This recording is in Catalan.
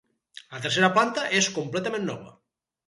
La tercera planta és completament nova.